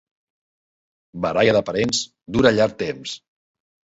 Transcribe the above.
Baralla de parents dura llarg temps.